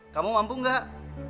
kamu mampu gak